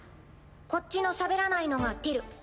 こっちのしゃべらないのがティル。